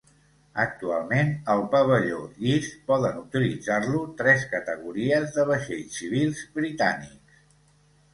Actualment el pavelló llis poden utilitzar-lo tres categories de vaixells civils britànics.